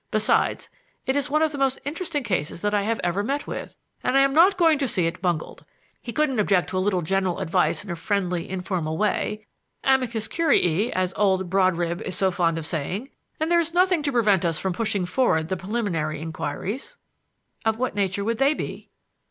Besides, it is one of the most interesting cases that I have ever met with, and I am not going to see it bungled. He couldn't object to a little general advice in a friendly, informal way amicus curiae, as old Brodribb is so fond of saying; and there is nothing to prevent us from pushing forward the preliminary inquiries." "Of what nature would they be?"